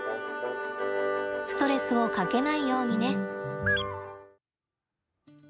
ストレスをかけないようにね。